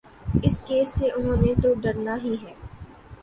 اس case سے انہوں نے تو ڈرنا ہی ہے۔